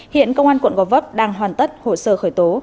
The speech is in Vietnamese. hiện công an quận gò vấp đang hoàn tất hồ sơ khởi tố